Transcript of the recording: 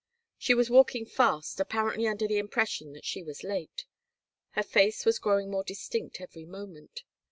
She was walking fast, apparently under the impression that she was late. Her face was growing more distinct every moment.